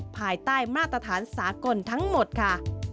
ภายใต้มาตรฐานสากลทั้งหมดค่ะ